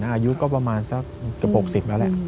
อายุก็ประมาณสักกระยะ๖๐แล้ว